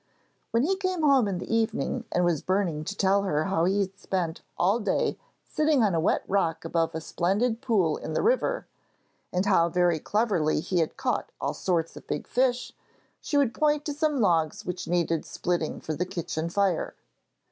When he came home in the evening and was burning to tell her how he had spent all day sitting on a wet rock above a splendid pool in the river, and how very cleverly he had caught all sorts of big fish, she would point to some logs which needed splitting for the kitchen fire.